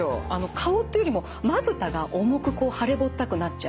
顔というよりもまぶたが重く腫れぼったくなっちゃう。